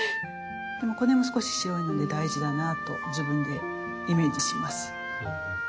でこの辺も少し白いので大事だなと自分でイメージします。